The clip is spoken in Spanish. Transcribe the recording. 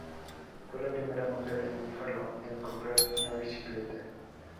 Fue la primera mujer en Buffalo en comprar una bicicleta.